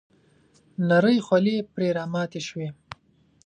نرۍ خولې پر راماتې شوې .